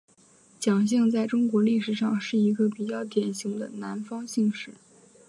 蒋姓在中国历史上是一个比较典型的南方姓氏。